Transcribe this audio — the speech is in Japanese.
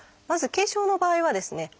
まず軽症の場合はですね